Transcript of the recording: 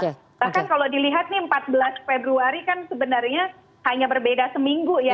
bahkan kalau dilihat nih empat belas februari kan sebenarnya hanya berbeda seminggu ya